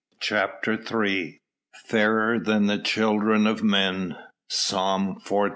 CHAPTER III "Fairer than the children of men." PSALM XLV.